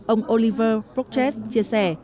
ông oliver prochess chia sẻ